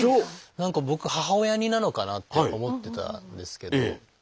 何か僕母親似なのかなって思ってたんですけど